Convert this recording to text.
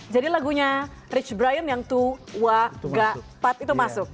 jadi lagunya rich brian yang tua gapat itu masuk